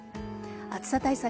暑さ対策